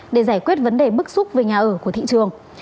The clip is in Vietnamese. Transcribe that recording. để giải quyết vấn đề bức xúc về nhà ở của thị trường